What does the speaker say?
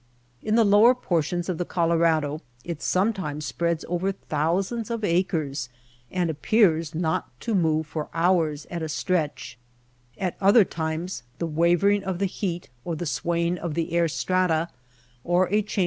In the lower portions of the Colorado it sometimes spreads over thousands of acres, and appears not to move for hours at a stretch. At other times the wavering of the heat or the swaying of the air strata, or a change in the' other causes for mirage. Water mirage.